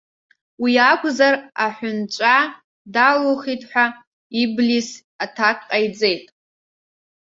Уи иакәзар, аҳәынҵәа далухит ҳәа Иблис аҭак ҟаиҵеит.